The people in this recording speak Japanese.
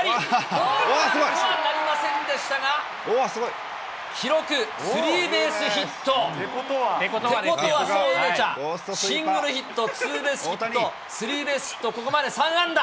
ホームランとはなりませんでしたが、記録、スリーベースヒット。ってことはそう、梅ちゃん、シングルヒット、ツーベースヒット、スリーベースヒット、ここまで３安打。